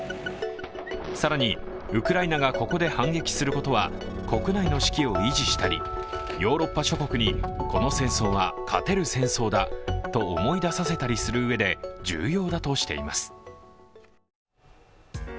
更に、ウクライナがここで反撃することは国内の士気を維持したりヨーロッパ諸国にこの戦争は勝てる戦争だと思い出させたりするうえで重要だとしています。